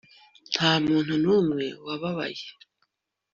nta muntu n'umwe wababaye